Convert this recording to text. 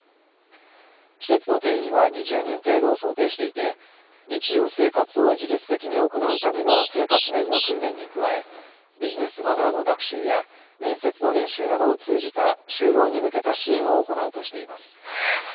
施設の定員は２０人程度を想定していて、日常生活を自立的に行うための生活面の訓練に加え、ビジネスマナーの学習や、面接の練習などを通じた就労に向けた支援を行うとしています。